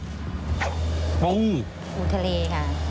ปูปูทะเลค่ะ